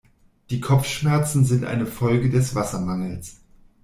Die Kopfschmerzen sind eine Folge des Wassermangels.